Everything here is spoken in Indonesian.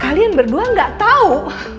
kalian berdua nggak tahu